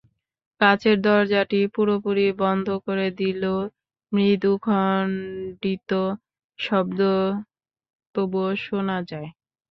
কাচের দরজাটি পুরোপুরি বন্ধ করে দিলেও মৃদু খণ্ডিত শব্দ তবুও শোনা যায়।